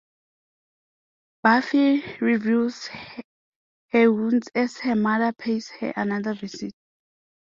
Buffy reviews her wounds as her mother pays her another visit.